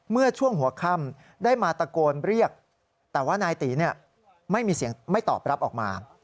เมื่อช่วงหัวค่ำได้มาตะโกนเรียกแต่ว่านายตีไม่มีเสียงไม่ตอบรับออกมา